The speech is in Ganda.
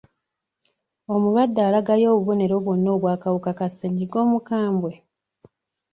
Omulwadde alagayo obubonero bwonna obw'akawuka ka ssenyiga omukambwe?